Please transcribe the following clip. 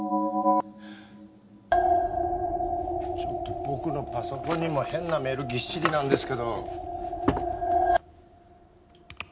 ちょっと僕のパソコンにも変なメールぎっしりなんですけど。